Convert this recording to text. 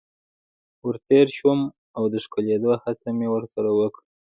ور تیر شوم او د ښکلېدلو هڅه مې ورسره وکړه.